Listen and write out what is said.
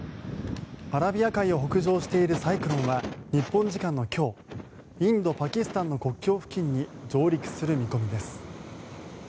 アラビア海を北上しているサイクロンは、日本時間の今日インド・パキスタンの国境付近に上陸する見込みです。